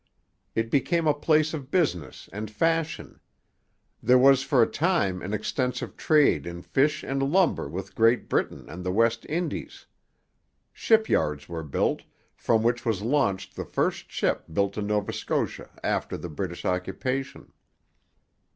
It became a place of business and fashion. There was for a time an extensive trade in fish and lumber with Great Britain and the West Indies. Ship yards were built, from which was launched the first ship built in Nova Scotia after the British occupation.